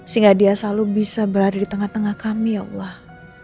sehingga dia selalu bisa berada di tengah tengah kami ya allah